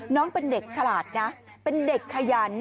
น้องเป็นเด็กฉลาดนะเป็นเด็กขยัน